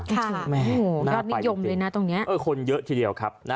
ค่ะโอ้โหชอบนิยมเลยนะตรงเนี้ยเออคนเยอะทีเดียวครับนะ